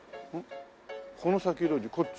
この先路地こっち？